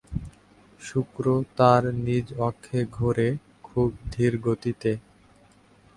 শুক্র তার নিজ অক্ষে ঘোরে খুব ধীরগতিতে।